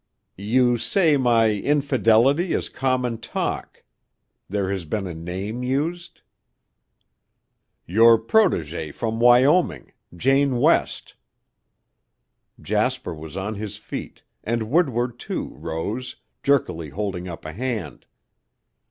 "You say my infidelity is common talk. There has been a name used?" "Your protégée from Wyoming Jane West." Jasper was on his feet, and Woodward too rose, jerkily holding up a hand.